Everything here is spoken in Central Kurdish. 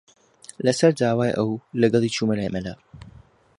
لەسەر داوای ئەو، لەگەڵی چوومە لای مەلا